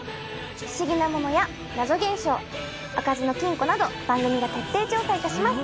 不思議なものや謎現象開かずの金庫など番組が徹底調査いたします。